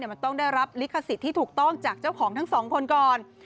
มันต้องได้รับลิขสิทธิ์ที่ถูกต้องจากเจ้าของทั้งสองคนก่อน